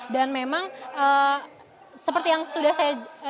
dan memang seperti yang sudah saya jelaskan